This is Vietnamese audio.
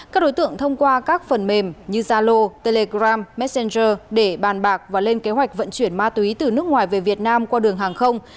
các đối tượng thông qua các phần mềm như zalo telegram messenger để bàn bạc và lên kế hoạch vận chuyển ma túy từ nước ngoài về việt nam qua đường hàng không